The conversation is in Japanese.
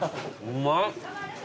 うまい？